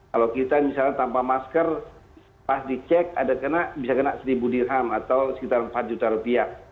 kalau kita misalnya tanpa masker pas dicek ada kena bisa kena seribu dirham atau sekitar empat juta rupiah